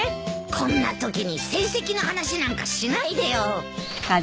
こんなときに成績の話なんかしないでよ。